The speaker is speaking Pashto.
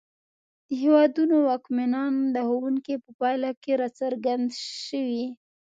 د هېوادونو واکمنان د ښوونکي په پایله کې راڅرګند شوي.